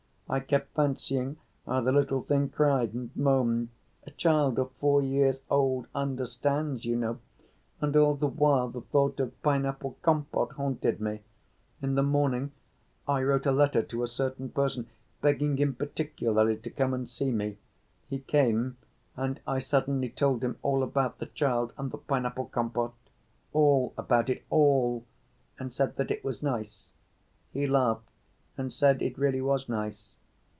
I kept fancying how the little thing cried and moaned (a child of four years old understands, you know), and all the while the thought of pineapple compote haunted me. In the morning I wrote a letter to a certain person, begging him particularly to come and see me. He came and I suddenly told him all about the child and the pineapple compote. All about it, all, and said that it was nice. He laughed and said it really was nice.